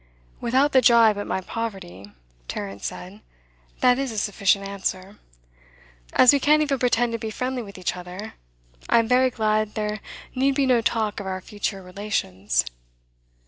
'Without the jibe at my poverty,' Tarrant said, 'that is a sufficient answer. As we can't even pretend to be friendly with each other, I am very glad there need be no talk of our future relations.